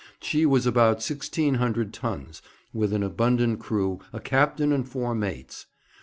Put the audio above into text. She was about sixteen hundred tons, with an abundant crew, a captain and four mates.